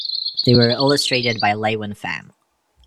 They were illustrated by LeUyen Pham.